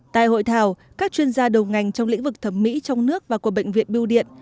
tại hội thảo các chuyên gia đầu ngành trong lĩnh vực thẩm mỹ trong nước và của bệnh viện biêu điện